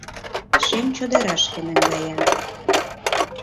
Шем чодырашке наҥгая